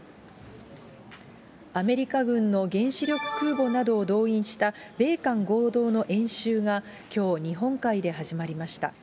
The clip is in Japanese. アメリカ軍の原子力空母などを動員した米韓合同の演習が、きょう、日本海で始まりました。